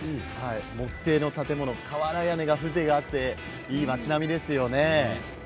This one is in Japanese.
木製の建物瓦屋根が風情があっていい町並みですよね。